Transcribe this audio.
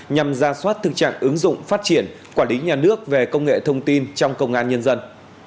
nhằm ra soát thực trạng ứng dụng phát triển quản lý nhà nước về công nghệ thông tin trong công an nhân dân